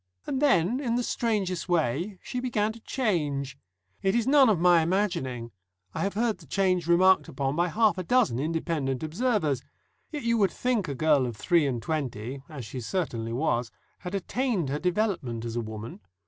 And then, in the strangest way, she began to change. It is none of my imagining; I have heard the change remarked upon by half a dozen independent observers. Yet you would think a girl of three and twenty (as she certainly was) had attained her development as a woman.